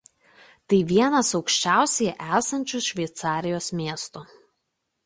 Tai vienas aukščiausiai esančių Šveicarijos miestų.